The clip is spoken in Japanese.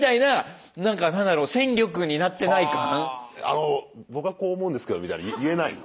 「あの僕はこう思うんですけど」みたいの言えないの？